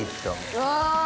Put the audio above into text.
うわ！